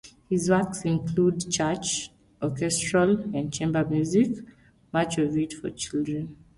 His works include church, orchestral and chamber music, much of it for children.